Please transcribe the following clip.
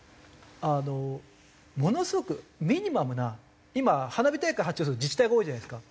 あのものすごくミニマムな今花火大会発注するの自治体が多いじゃないですか。